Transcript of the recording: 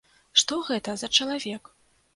Што гэта за чалавек?